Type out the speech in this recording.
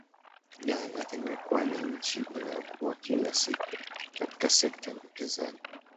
Ghana imekuwa ni nchi inayokua kila siku katika sekta ya uwekezaji